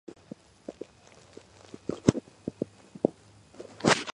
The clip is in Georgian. კუნძულზე განვითარებულია სოფლის მეურნეობა, აქ მოჰყავთ შაქარი.